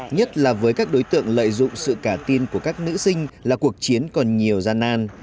nhất là với các đối tượng lợi dụng sự cả tin của các nữ sinh là cuộc chiến còn nhiều gian nan